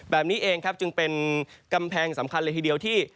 แบบนี้เองครับจึงเป็นกำแพงสำคัญเลยทีเดียวที่